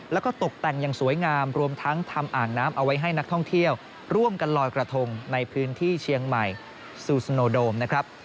แล้วก็ตกแต่งอย่างสวยงามรวมทั้งทำอ่างน้ำเอาไว้ให้นักท่องเที่ยวร่วมกันลอยกระทงในพื้นที่เชียงใหม่ซูสโนโดมนะครับ